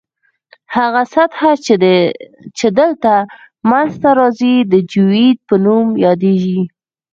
هغه سطح چې دلته منځ ته راځي د جیوئید په نوم یادیږي